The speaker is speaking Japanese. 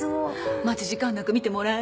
待ち時間なく診てもらえる？